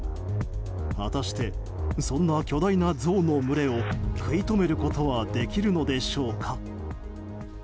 果たしてそんな巨大なゾウの群れを食い止めることはできるのでしょうか。